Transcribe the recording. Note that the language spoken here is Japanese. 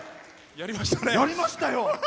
やりましたね。